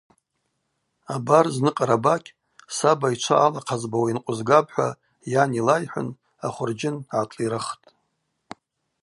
Абар зны Къарабакь – саба йчва алахъазбауа йынкъвызгапӏ – хӏва йан йлайхӏвын ахвырджьын гӏатлирыхтӏ.